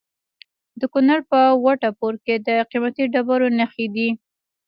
د کونړ په وټه پور کې د قیمتي ډبرو نښې دي.